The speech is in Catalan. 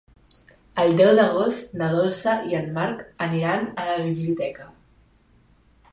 El deu d'agost na Dolça i en Marc aniran a la biblioteca.